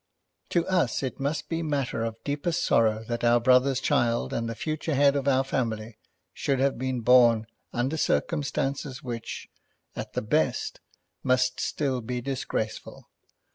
To us it must be matter of deepest sorrow that our brother's child and the future head of our family should have been born under circumstances which, at the best, must still be disgraceful.